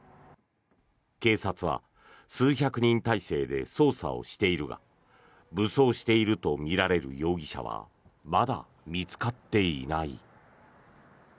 警察は数百人態勢で捜査をしているが武装しているとみられる容疑者はまだ見つかっていない。